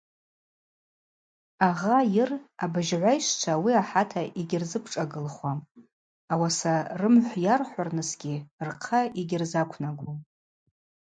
Агъа йыр абыжьгӏвайщчва ауи ахӏата йгьырзыпшӏагылхуам, ауаса рымхӏв йархӏвырнысгьи рхъа йгьырзаквнаргум.